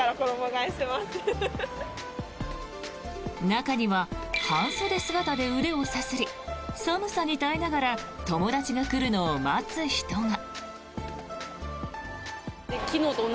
中には半袖姿で腕をさすり寒さに耐えながら友達が来るのを待つ人が。